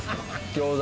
餃子。